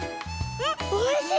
あおいしい！